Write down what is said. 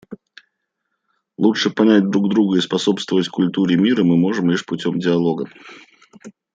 Лучше понять друг друга и способствовать культуре мира мы можем лишь путем диалога.